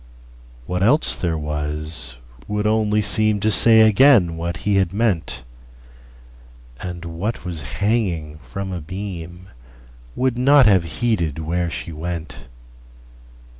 What else there was would only seemTo say again what he had meant; And what was hanging from a beamWould not have heeded where she went.